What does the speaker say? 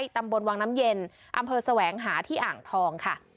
ตำบลวังน้ำเย็นอำเภอแสวงหาที่อ่างทองค่ะ